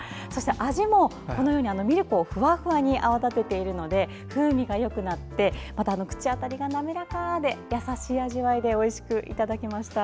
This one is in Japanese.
味もこのようにミルクをふわふわに泡立てているので風味がよくなってまた口当たり滑らかで優しい味わいでおいしくいただけました。